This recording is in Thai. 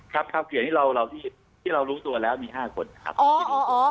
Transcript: ครับคือที่เรารู้ตัวแล้วมี๕คน